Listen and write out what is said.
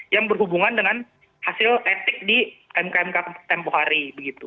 yang berhubungan dengan hasil etik di mkmk tempoh hari